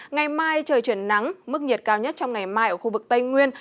ngày mai trời chuyển nắng mức nhiệt cao nhất trong ngày mai ở khu vực tây nguyên